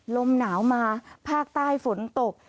ลมหนาวมาภาคใต้ฝนตก